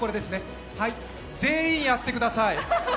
はい、全員やってください。